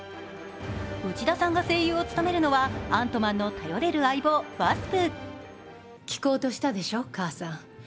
内田さんが声優を務めるのはアントマンの頼れる相棒・ワスプ。